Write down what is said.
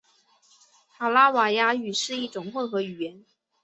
卡拉瓦亚语是一种混合语言。